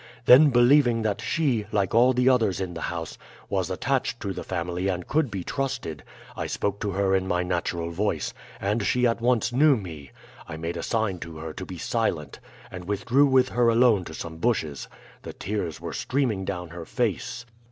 Then believing that she, like all the others in the house, was attached to the family and could be trusted, I spoke to her in my natural voice, and she at once knew me. I made a sign to her to be silent and withdrew with her alone to some bushes. The tears were streaming down her face.